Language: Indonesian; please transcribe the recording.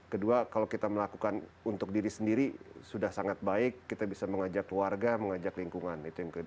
kedua kalau kita melakukan untuk diri sendiri sudah sangat baik kita bisa mengajak keluarga mengajak lingkungan